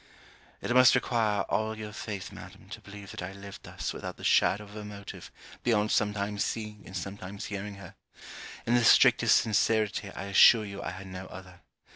It must require all your faith, Madam, to believe that I lived thus without the shadow of a motive beyond sometimes seeing and sometimes hearing her: in the strictest sincerity, I assure you I had no other.